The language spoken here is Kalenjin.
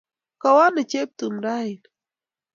Kawo ano Cheptum raini?